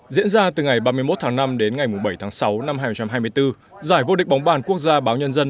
diễn ra từ ngày ba mươi một tháng năm đến ngày bảy tháng sáu năm hai nghìn hai mươi bốn giải vô địch bóng bàn quốc gia báo nhân dân